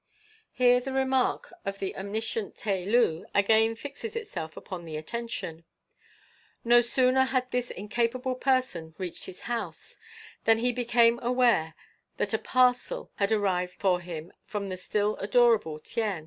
Here the remark of the omniscient Tai Loo again fixes itself upon the attention. No sooner had this incapable person reached his house than he became aware that a parcel had arrived for him from the still adorable Tien.